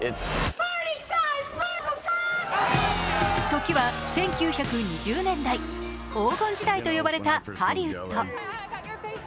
時は１９２０年代、黄金時代と呼ばれたハリウッド。